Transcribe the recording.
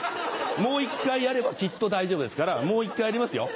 もう一回やればきっと大丈夫ですからもう一回やりますよ。